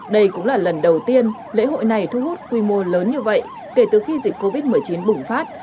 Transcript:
đây cũng là lần đầu tiên lễ hội này thu hút quy mô lớn như vậy kể từ khi dịch covid một mươi chín bùng phát